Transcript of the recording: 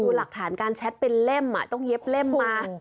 หลักฐานการแชทเป็นเล่มต้องเย็บเล่มมา